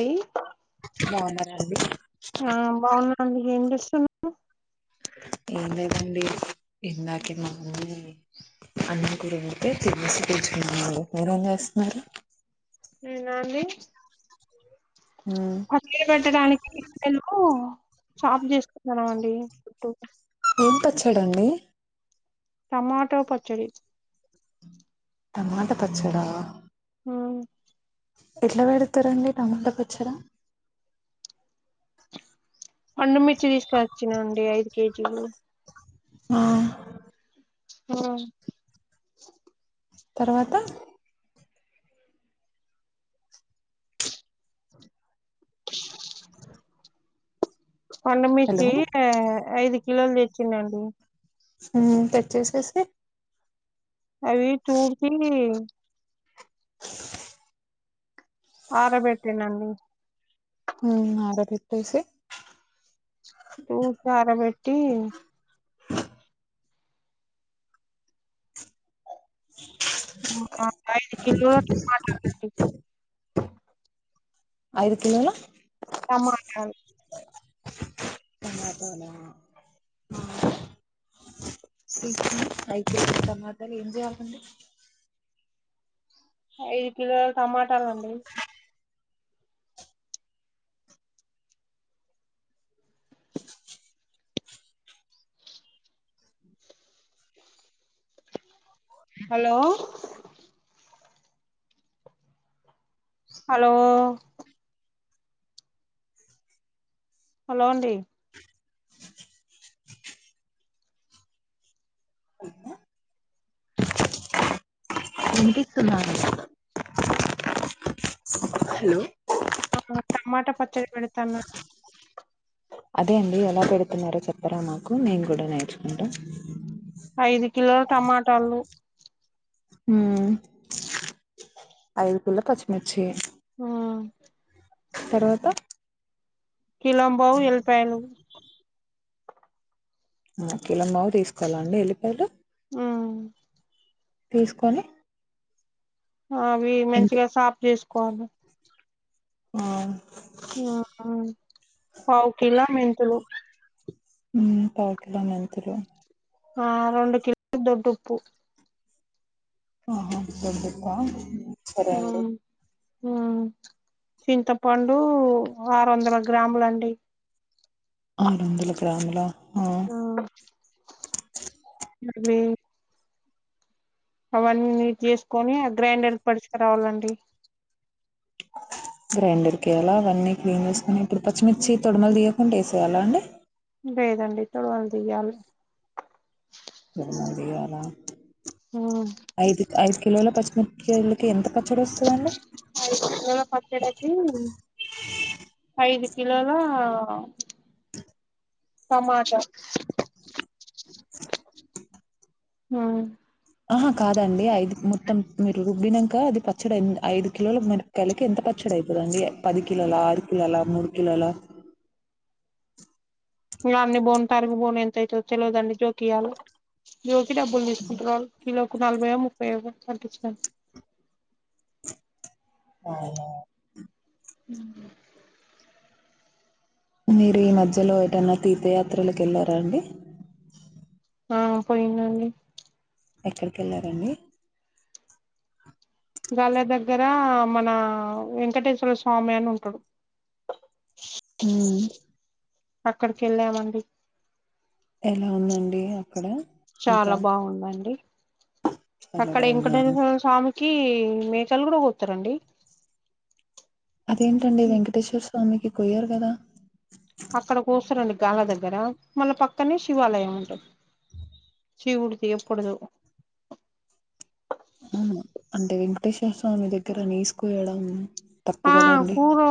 D బాగున్నారా అండి. స ఎం లేదు అండి ఇందాక మా అంద అన్న కూడార అతే వాళ్ళ మీర ఏమీ చేస్తున్నారు. నేనా అండి మ్మ్. పక్కలు పెట్టడానికిలు షాప్ చేసుకుంటన్నా అండి ఫూ చుడండి టమాటో పచ్చడి టమాట పచ్చడా ఉమ్ ఎట్లా పెడతారండి నా టమాట పచ్చడ పండు మిర్చి తీసుకొచ్చినాండి ఐదు కేజీ ఆ ఊ తర్వాత ఆ [unintelligible] హలో పండుమిర్చి ఐదు కిలలు తెచ్చిందండి. టచ్ చేసేసి అవి చూపు ఆ [unintelligible] అరబెట్టే నండి హు ఆరబెట్టేసి ఉ ఆరబెట్టి ఐదు కిలో [unintelligible] ఐదు కిలోల టమాటాలు టమాటలా ఆ [inaudible] టమాటలు ఏం చేయాలండి ఐదు కిలోలు టమాటాలండి హలో హలో హలో అండి వినిపిస్తుందా అండి హలో ఆ టమాటా పచ్చడి పెడతానండి అదే అండి ఎలా పెడుతున్నారో చెప్పరా మాకు నేను కూడా నేర్చుకుంటా ఐదు కిలోల టమాటాలు ఉ ఐదు కిలో పచ్చిమిర్చి ఆ తర్వాత కిలోం బావు ఎల్పాయలు కిలోమావ తీసుకోవాలా అండి ఎల్లిపాయలు మ్మ్ తీసుకొని అవి ఎంత మంచిగా సాప్ చేసుకోవాలి ఆ మ్మ్ పావు కిలో మెంతులు ఉ పావు కిలో మెంతులు ఆ రెండు కిలో దొడ్డుప్పు ఆహా దొడ్డుప్ప సరే అండి ఆ చింతపండు ఆరువందల గ్రాములండి ఆరు వందల గ్రాముల ఆ అవే అవన్నీ నీట్ చేసుకొని ఆ గ్రైండర్ పడిచుకు రావాలండి గ్రైండర్కి అలా అవన్నీ క్లీన్ చేసుకుని ఉమ్, పచ్చిమిర్చి తోడుమల్ తీయాలి ఉంటేసేయాలా అండి లేేదండి తొడమలు తీయాలి తొడుములు తీయాల ఉ కిలోల పచ్చిమక్కయలకి ఎంత పచ్చడి వస్తదండి ఐదు కిలోల పచ్చడి కి ఐదు కిలోలా టమాట ఆహా కాదండి ఐదు మొత్తం మీరు రుబ్బినాక అది పచ్చడి ఐదు కిలోల మరకాయలకి ఎంత పచ్చడి అయిపోదండి పది కిలోలా ఆరు కిలోలా మూడు కిలోలా ఇ అన్ని బో తారుగ బోన్ ఎంత అవుతుో తెలిదండి జోక్య్యాలు జో బల్ స్ పుంటరల్ క నాలుభైగా ముప్పైగా చచ్చ ఆవు ఉ మీరు ఈ మధ్యలో ఏటైన్నా తీర్థయాత్రలక వెళ్లారా అండి ఆ పోయిన్లి ఎక్కడికి వెళ్ళారంండి ళ దగ్గర మన వెంకటేశ్వర స్వామి అని ఉంటాడు హ అక్కడికి వెళ్ళామండి ఎలా ఉందండి అక్కడ ఇంకా చాలా బాగుందండి చాలా అక్కడ ఇంకట బాగున్నాను స్వామికి ఇ మేకలు కూడాస్తారంండి అదేంటండి వెంకటేశ్వర స్వామికి కొయ్యరు కదా అక్కడ కూసురండి గాళ దగ్గర మళ్ళ పక్కనే శివాలయం ఉంటుది శివుడిది ఎప్పుడ పటేశ్వ స్వామి దగ్గర నేసుకోయడం ఆ కూరు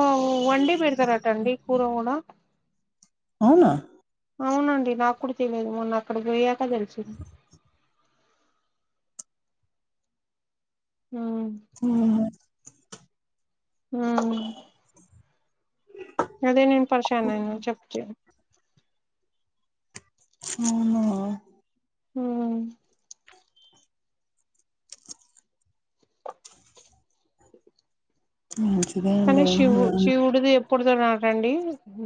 వండి బడతారట్టండి కూర కూడా అవునా అవునండి నాకు కూడా తెలియదు మొన్న అక్కడికి పోయయాక తెలిసింది ఉమ్ హ హ అదే నేను పరిచానును చెప్పను అవును హమ్ మంచిదండ పడుతున్నటండి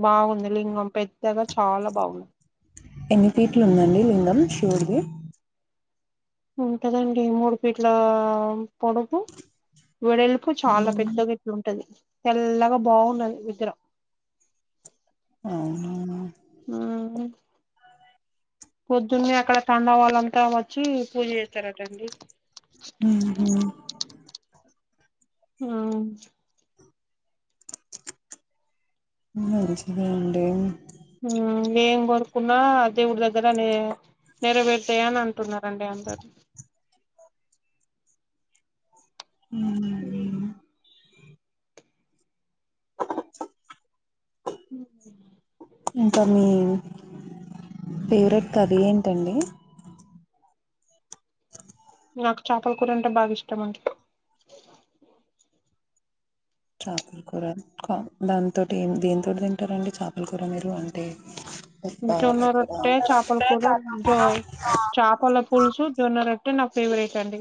బాగుంది లింగం పెద్ద గా చాలా బాగున్నాయి ఎన్ని పీట్లు ఉందండి లింగం వుడికి ఉంటదండి మూడు ఫీట్ల పొడుపు ఇడెలుపు చాలా మ్మ్. పెద్దగా ఇట్లుంటది తెల్లగా బాగున్నది నిద్ర అవు పొద్దున్న అక్కడ తంండవళ్లంతా వ హు పూజ చేస్తారటండి హ్మ్ హ ఆ [unintelligible] [unintelligible] మంచిదెఅండి. ఆ ఏం కోరుకున్నా దేవుడి దగ్గర నే నెరవేతాయ్ అని అంటున్నారండి అందరు, హ్మ్ హ్మ్ [inaudible] ఇంకా మీ ఫేవరెట్ కర్రీ ఏంటండి, నాకు చాపల కూర అంటే బాగా ఇష్టం అండి. చాపల కూర కాం దాంతోటి దేనితోటి తింటారండి చాపల కూర మీరు అంటే ఉప్పా, కారా? జొన్నరొట్టె, చాపలకూర జో చాపలపుల్సు జొన్నరొ ట్టే నా ఫేవరెట్ అండి.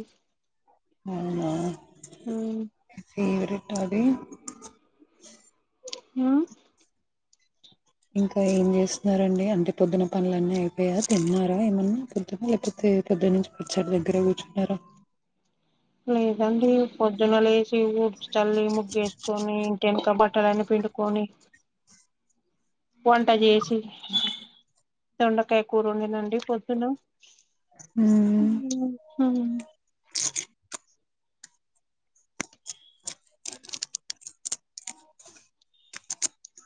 అవునా ఉమ్ ఫేవరె ట అది ఆ ఇంకా ఏం చేస్తున్నారండి అంటే పొద్దున పనులన్నీ అయిపోయాయ తిన్నరా ఏమన్నా పొద్దున లేకపోతే పొద్దట్ నుంచి ముచ్చట దగ్గరే కూర్చున్నారా, లేదండి పొద్దున లేసి ఊడ్ చి చల్లి ముగ్గేస్కొని అటెంక బట్టలన్ని పిండుకొని, వంటచేశి దొండకాయ కూరవండినండి పొద్దున హ్మ్ హ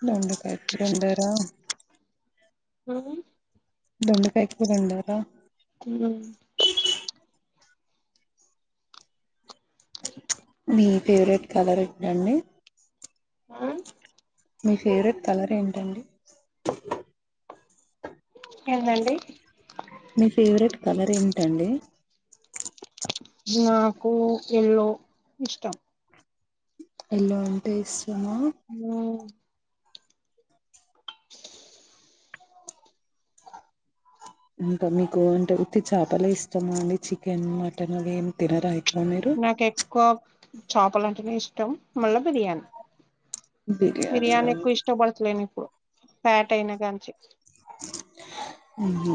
దొండకాయ్ వండారా హ దొండకాయ కూర వండారా, హ మీ ఫేవరెట్ కలర్ ఎంటండి, ఆ మీ ఫేవరెట్ కలర్ ఏంటండి, ఏందండి మీ ఫేవరెట్ కలర్ ఏమిటండి నాకు ఎల్లో ఇష్టం. ఎల్లో అంటే ఇస్ హ ఇంకా మీకు అంటే ఉత్తి చాపలే ఇష్టమా అండి చికెన్ మటన్ అవి ఏమి తినరా ఇం నాకు ఎక్కువ చాపల్ అంటనే ఇష్టం మళ్ళ బిర్యానీ బిర్యానీ ఎక్కువ ఇష్టపడతలేను ఇప్పుడు ఫ్యాట్ అయినా కాంచి ఉహు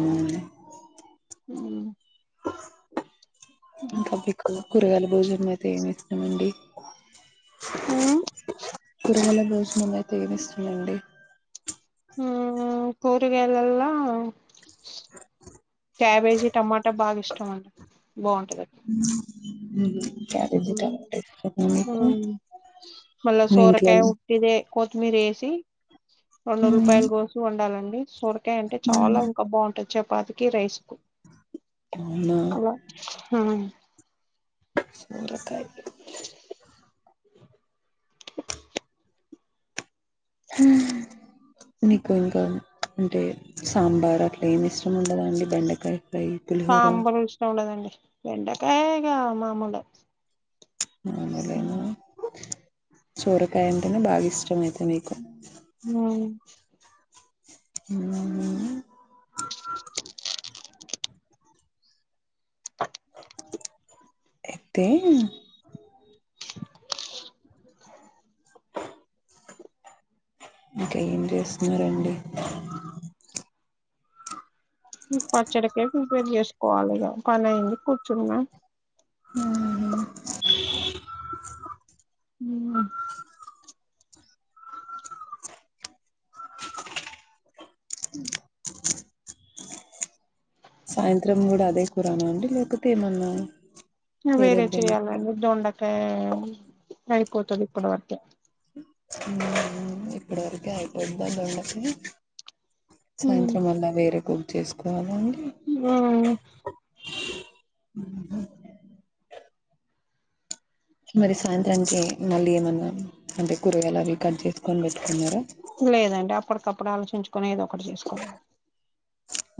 ఉమ్ ఇంకాప్పకు కూరగాలు భోజనం అయితే ఏమి ఇష్టమండి ఆ కూరగాయల భోజనం అంటే ఏమి ఇష్టమండి ఆ కూరగాయలలో క్యాబేజీ టమాటా బాగా ఇష్టం అండి బాగుంటదండి ఉహు మల్లా మీ సోరకాయ ఉట్టిదే కొత్తిమీర వేసి రెండు ఉల్లిపాయలు ఇంట్లలో కోసి వండాలండి సొరకాయ్ సొరకాయ అంటే చాలా ఇంకా బాగుంటుంది చెప్ప చపాతికి రైస్ అవునా అబా హా సరే [inaudible] హ నీకు ఇంకా అంటే సాంబార్ అట్లా ఏమి ఇష్టం ఉండదండి బెండకాయ ఫ్రై పులిహోర సాంబార్ ఇష్టం ఉండదండి బెండకాయ ఇగ మామొలే అవును లెండి సోరకాయ అంటేనే బాగా ఇష్టం అయితే మీకు హ ఊమ్ ఐతే [inaudible] ఇంకా ఏం చేస్తున్నారండి పచ్చడకే ప్రిపేర్ చేస్తు కోవాలిగా పని అయింది కూర్చున్నా ఆ ఊమ్ [inaudible] ఊమ్ సాయంత్రం కూడా అదే కూరనా అండి లేకపోతే ఏమన్నా వేరే వేరేది చేయాలండి దొండకాయ నయిపోతది ఇప్పుడ వర్క ఉ ఇక్కడ వరకే అయిపోయింద వాళ్లకి సాయంత్రం అల్ల వేరే కు చేసుకోవా ఆ ఉ హ మరి సాయంత్రానికి మళ్ళీ ఏమన్నా అంటే కూరగాయలు అవి కట్ జేసుకొని బె లేదండి అ అప్పటికప్పుడు ఆలోచించుకొని ఏదో ఒకటి జె సుకోవాలి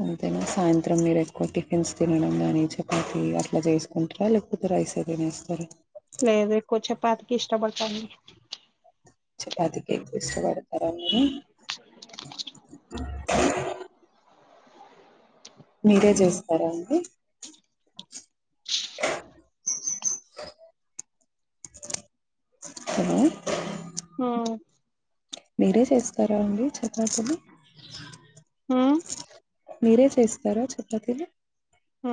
అంతేనా సాయంత్రం మీరు ఎక్కువ టిఫిన్స్ తినడం గాని చపాతి అట్లా చేసుకుంటారా లేకపోతే రైసే తినేస్తార లేదెక్కువ చెప ఇష్టబడత చపాతికే ఎక్కవ ఇష్టపడతార మీరు మీరే చేస్తారా అండి హలో ఆ మీరే జేస్తారా అండి చపతీలు మ్మ్ మీరే జేస్తారా చపాతిలు ఆ